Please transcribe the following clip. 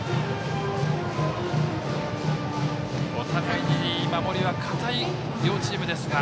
お互い守りは堅い両チームですが